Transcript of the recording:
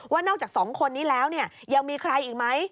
นอกจาก๒คนนี้แล้วยังมีใครอีกไหม